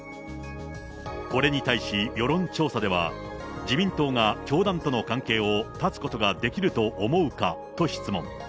これに対し世論調査では、自民党が教団との関係を断つことができると思うかと質問。